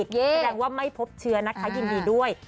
แสดงว่าไม่พบเชื้อนะคะยินดีด้วย